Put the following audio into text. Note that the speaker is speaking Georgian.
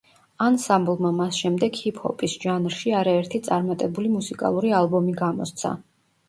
ანსამბლმა მას შემდეგ ჰიპ-ჰოპის ჟანრში არაერთი წარმატებული მუსიკალური ალბომი გამოსცა.